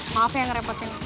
maaf ya yang ngerepotin